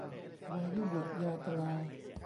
วายุบุตรยาตรา